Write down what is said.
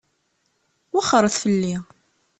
Wexxṛet fell-i.